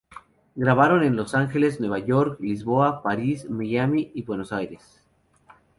Grabaron en Los Ángeles, Nueva York, Lisboa, París, Miami y Buenos Aires.